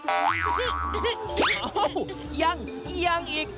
อ้าวยังยังอีก